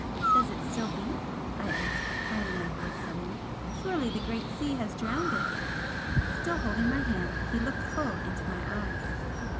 "Does it still beat?" I asked, finding my voice suddenly "Surely the great sea has drowned it!" Still holding my hand, he looked full into my eyes.